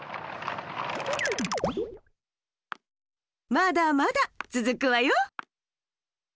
まだまだつづくわよ。